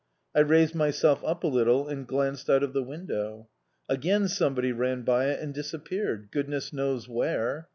I raised myself up a little and glanced out of the window. Again somebody ran by it and disappeared goodness knows where!